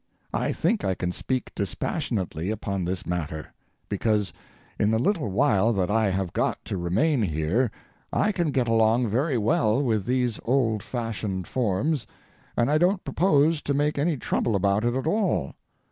I think I can speak dispassionately upon this matter, because in the little while that I have got to remain here I can get along very well with these old fashioned forms, and I don't propose to make any trouble about it at all.